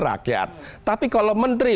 rakyat tapi kalau menteri